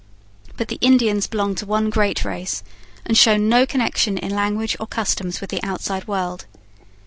But the Indians belong to one great race, and show no connection in language or customs with the outside world.